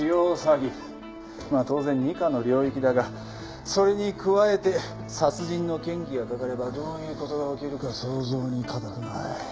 まあ当然二課の領域だがそれに加えて殺人の嫌疑がかかればどういう事が起きるか想像に難くない。